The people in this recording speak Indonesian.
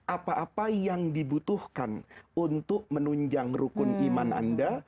apa apa yang dibutuhkan untuk menunjang rukun iman anda